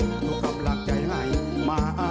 ขอบคุณทุกครับรักใจให้มา